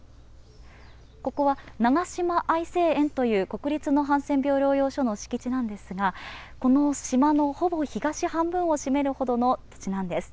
ここは長島愛生園という国立のハンセン病療養所の敷地なんですが、この島のほぼ東半分を占めるほどの土地なんです。